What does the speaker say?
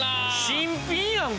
新品やん！